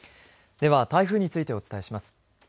では台風についてお伝えします。